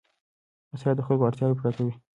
مصرف د خلکو اړتیاوې پوره کوي.